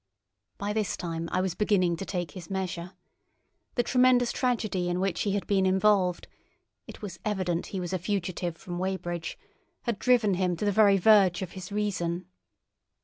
By this time I was beginning to take his measure. The tremendous tragedy in which he had been involved—it was evident he was a fugitive from Weybridge—had driven him to the very verge of his reason.